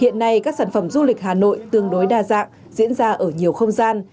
hiện nay các sản phẩm du lịch hà nội tương đối đa dạng diễn ra ở nhiều không gian